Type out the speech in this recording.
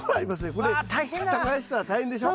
これ耕したら大変でしょ。